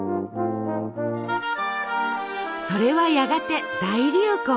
それはやがて大流行。